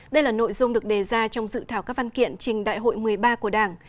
đây là nội dung được đề ra trong dự thảo các văn kiện trình đại hội một mươi ba của đảng